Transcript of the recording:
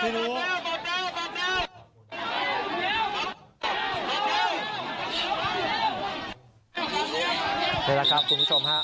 พระบุว่าจะมารับคนให้เดินทางเข้าไปในวัดพระธรรมกาลนะคะ